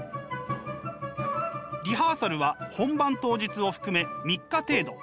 リハーサルは本番当日を含め３日程度。